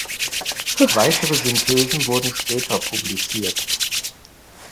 Weitere Synthesen wurden später publiziert.